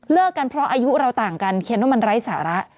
กันเพราะอายุเราต่างกันเขียนว่ามันไร้สาระ